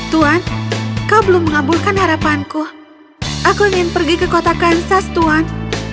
tuan kau belum mengabulkan harapanku aku ingin pergi ke kota kansas tuan